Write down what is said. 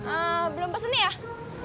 eh belum pesen nih ya